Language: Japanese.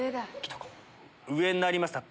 上になりました